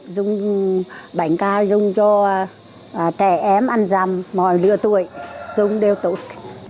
dùng bánh cà dùng cho trẻ em ăn rằm mọi đứa tuổi dùng đều tốt